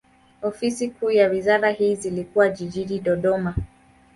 Ofisi kuu za wizara hii zilikuwa jijini Dodoma.